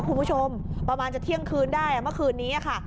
คุณผู้ชมประมาณจะเที่ยงคืนได้เมื่อคืนนี้ค่ะ